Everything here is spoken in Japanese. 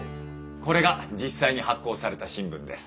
これが実際に発行された新聞です。